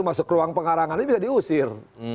masuk ruang pengarangan ini bisa diusir